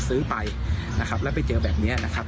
ซื้อไปนะครับแล้วไปเจอแบบนี้นะครับ